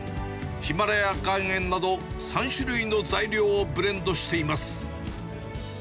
ヒマラヤ岩塩など、３種類の材料をブレンドしています。